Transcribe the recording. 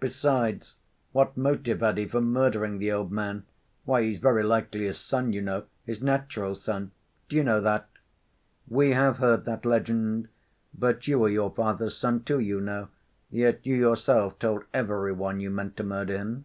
Besides, what motive had he for murdering the old man? Why, he's very likely his son, you know—his natural son. Do you know that?" "We have heard that legend. But you are your father's son, too, you know; yet you yourself told every one you meant to murder him."